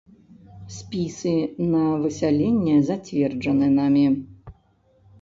Спісы на высяленне зацверджаны намі.